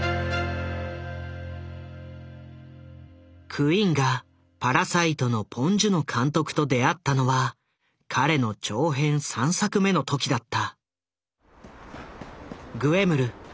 クインが「パラサイト」のポン・ジュノ監督と出会ったのは彼の長編３作目の時だった。